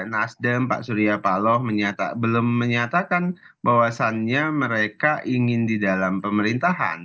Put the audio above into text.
nasdem pak surya paloh belum menyatakan bahwasannya mereka ingin di dalam pemerintahan